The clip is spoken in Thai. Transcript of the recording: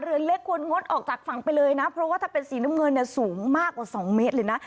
เรือเล็กควรงดออกจากฝั่งไปเลยนะเพราะว่าถ้าเป็นสีน้ำเงินเนี่ยสูงมากกว่า๒เมตรเลยนะ